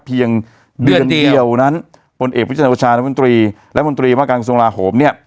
เพียงเดือนเดียวนั้นบนเอกวิจันทร์วชาตินักมนตรีและมนตรีมหาการคุณศูนย์ลาโหมเนี่ย